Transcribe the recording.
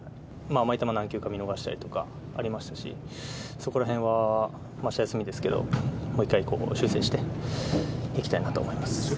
甘い球何球か見逃したりとかはありましたし、そこらへんはあした休みですけど、もう一回修正していきたいなと思います。